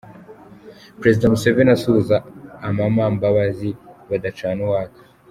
Perezida Museveni asuhuza Amama Mbabazi, badacana uwaka.